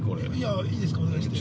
◆いいですか、お願いして。